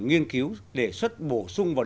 nghiên cứu để xuất bổ sung vào